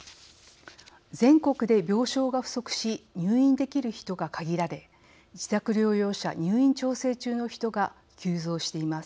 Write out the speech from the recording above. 全国で病床が不足し入院できる人が限られ自宅療養者・入院調整中の人が急増しています。